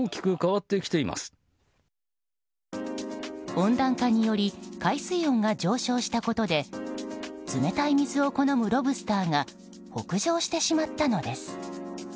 温暖化により海水温が上昇したことで冷たい水を好むロブスターが北上してしまったのです。